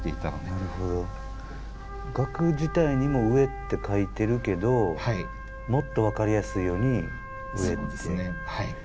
額自体にも「上」って書いてるけどもっと分かりやすいように「上」って。